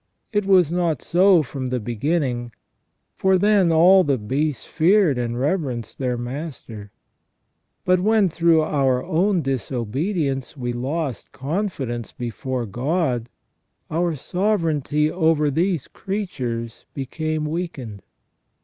It was not so from the beginning ; for then all the beasts feared and reverenced their master ; but when through our own disobedience we lost confidence before God, our sovereignty over these creatures became weakened.